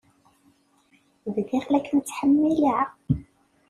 Bdiɣ la kem-ttḥemmileɣ.